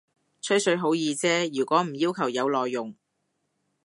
吹水好易啫，如果唔要求有內容